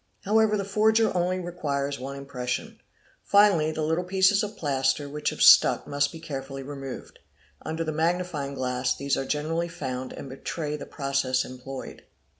However the forger only requires one impression. Finally the little pieces of plaster which have stuck must be carefully removed. Under the magnifying glass these are generally found and betray the process employed.